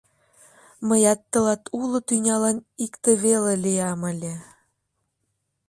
Мыят тылат уло тӱнялан икте веле лиям ыле...